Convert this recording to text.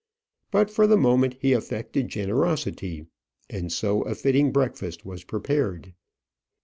But for the moment he affected generosity, and so a fitting breakfast was prepared.